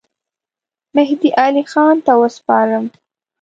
مهدي علي خان ته وسپارم.